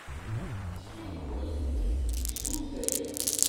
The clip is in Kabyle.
Ttxil-went, gzumt aya.